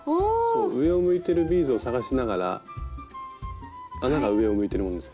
そう上を向いてるビーズを探しながら穴が上を向いてるものを見つけて。